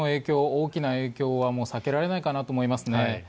大きな影響はもう避けられないかなと思いますね。